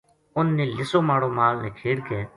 اُنھ نے لِسو ماڑو مال نکھیڑ کے